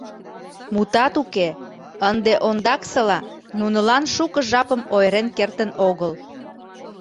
Мутат уке, ынде ондаксыла нунылан шуко жапым ойырен кертын огыл.